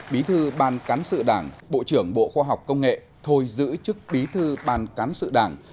bí thư ban cán sự đảng bộ trưởng bộ khoa học công nghệ thôi giữ chức bí thư ban cán sự đảng